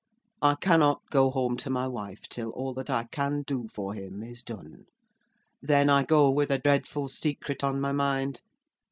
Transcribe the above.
I cannot go home to my wife till all that I can do for him is done. Then I go with a dreadful secret on my mind.